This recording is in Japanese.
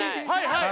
はい！